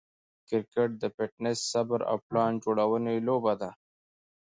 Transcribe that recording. کرکټ د فټنس، صبر، او پلان جوړوني لوبه ده.